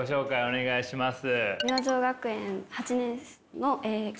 お願いします。